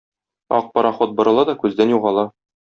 Ак пароход борыла да күздән югала.